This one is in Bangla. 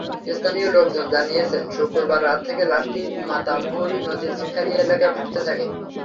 স্থানীয় লোকজন জানিয়েছেন, শুক্রবার রাত থেকে লাশটি মাতামুহুরী নদীর চিটখালী এলাকায় ভাসতে থাকে।